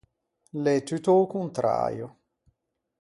L’é tutto a-o conträio.